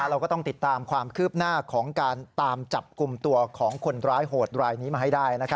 เราก็ต้องติดตามความคืบหน้าของการตามจับกลุ่มตัวของคนร้ายโหดรายนี้มาให้ได้